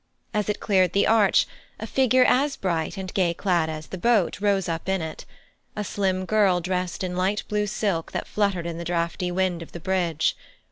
As it cleared the arch, a figure as bright and gay clad as the boat rose up in it; a slim girl dressed in light blue silk that fluttered in the draughty wind of the bridge.